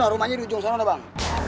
itu rumahnya di ujung sana dong bang